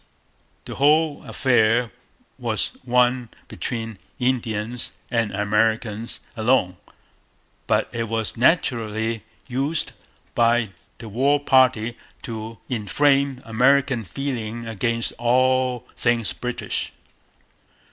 The whole affair was one between Indians and Americans alone. But it was naturally used by the war party to inflame American feeling against all things British.